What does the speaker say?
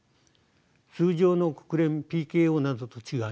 通常の国連ＰＫＯなどと違い